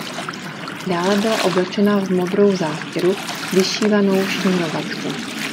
Dále byla oblečena v modrou zástěru, vyšívanou šněrovačku.